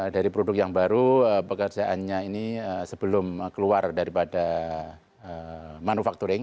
dari produk yang baru pekerjaannya ini sebelum keluar daripada manufacturing